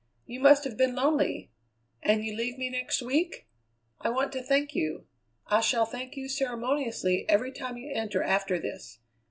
You must have been lonely. And you leave me next week? I want to thank you. I shall thank you ceremoniously every time you enter after this.